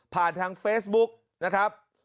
ทางเฟซบุ๊กนะครับ